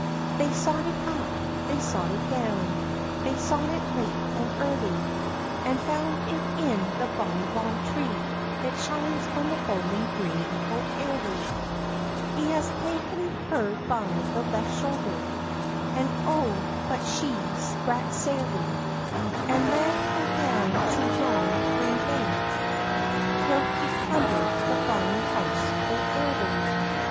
They sought it up, they sought it down, They sought it late and early, And found it in the bonnie balm tree, That shines on the bowling green o' Airly, He has ta'en her by the left shoulder, And O but she grat sairly, And led her down to yon green bank, Till he plundered the bonnie house o' Airly.